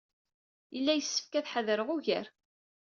Yella yessefk ad ḥadreɣ ugar.